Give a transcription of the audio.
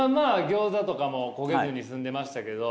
ギョーザとかも焦げずに済んでましたけど。